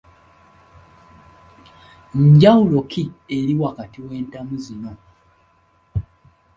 Njawulo ki eri wakati w’entamu zino?